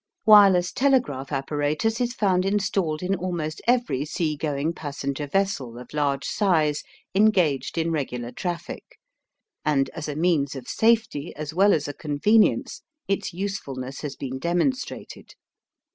Wireless telegraph apparatus is found installed in almost every seagoing passenger vessel of large size engaged in regular traffic, and as a means of safety as well as a convenience its usefulness has been demonstrated.